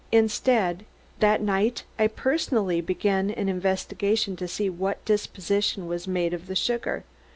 Instead, that night I personally began an investigation to see what disposition was made of the sugar.